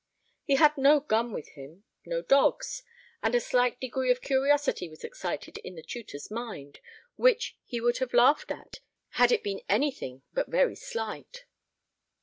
He had no gun with him, no dogs; and a slight degree of curiosity was excited in the tutor's mind, which he would have laughed at had it been anything but very slight.